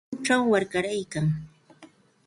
Rinrinchaw warkaraykan.